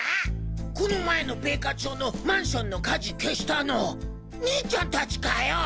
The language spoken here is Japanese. この前の米花町のマンションの火事消したの兄ちゃん達かよ！？